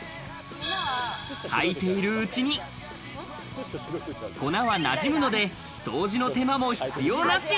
履いているうちに粉はなじむので、掃除の手間も必要なし。